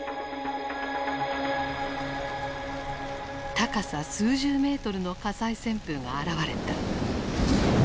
高さ数十ｍの火災旋風が現れた。